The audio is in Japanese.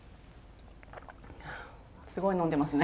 すごい飲んでますね。